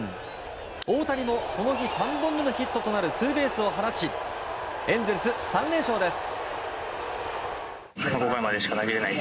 大谷も、この日３本目のヒットとなるツーベースを放ちエンゼルス３連勝です。